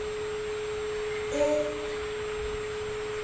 In Utuado, police killed the insurgents after they attacked the station.